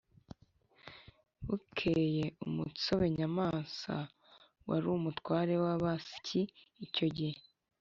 bukeye umutsobe nyamwasa wari umutware w’abasyi icyo gihe